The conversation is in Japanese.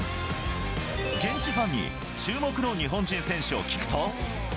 現地ファンに注目の日本人選手を聞くと。